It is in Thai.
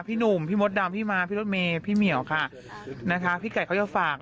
พี่หนุ่มพี่มดดำพี่มาพี่รถเมย์พี่เหมียวค่ะนะคะพี่ไก่เขาจะฝาก